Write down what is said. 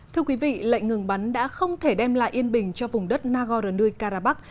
thưa quý vị lệnh ngừng bắn đã không thể đem lại yên bình cho vùng đất nagorno karabakh